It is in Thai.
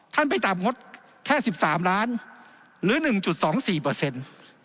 ไปตามงดแค่สิบสามล้านหรือหนึ่งจุดสองสี่เปอร์เซ็นต์